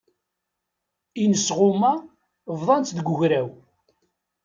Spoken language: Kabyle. Inesɣuma bḍantt deg ugraw.